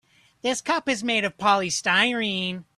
This cup is made of polystyrene.